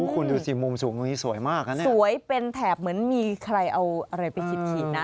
คุณดูสิมุมสูงตรงนี้สวยมากนะสวยเป็นแถบเหมือนมีใครเอาอะไรไปฉีดนะ